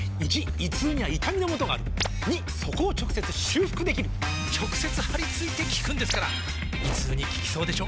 ①胃痛には痛みのもとがある②そこを直接修復できる直接貼り付いて効くんですから胃痛に効きそうでしょ？